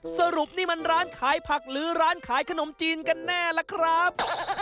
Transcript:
สรุปนี่มันร้านขายผักหรือร้านขายขนมจีนกันแน่ล่ะครับ